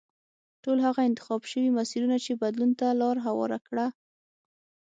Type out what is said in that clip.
ټول هغه انتخاب شوي مسیرونه چې بدلون ته لار هواره کړه.